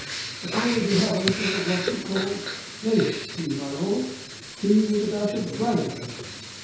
'Suppose you have a little of what we call laced tea, my lord tea with a dash of brandy in it?'